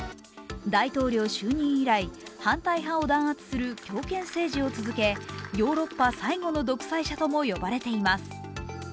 大統領就任以来反対派を弾圧する強権政治を続けヨーロッパ最後の独裁者とも呼ばれています。